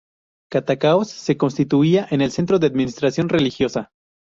Catacaos se constituía en el centro de administración religiosa.